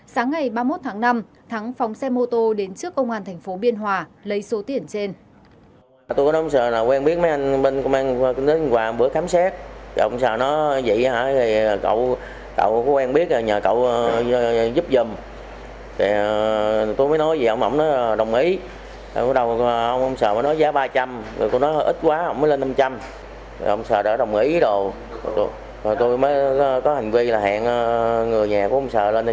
sáng ngày ba mươi một tháng năm thắng phóng xe mô tô đến trước công an tp biên hòa lấy số tiền trên